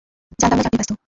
জানতাম না যে আপনি ব্যস্ত।